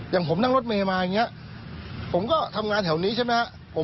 อย่างผมนั่งรถเมย์มาอย่างนี้ผมก็ทำงานแถวนี้ใช่ไหมครับ